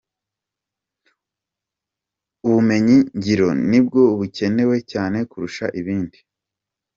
Ubumenyi-ngiro ni bwo bukenewe cyane kurusha ibindi.